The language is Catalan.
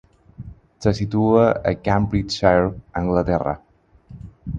Se situa a Cambridgeshire, Anglaterra.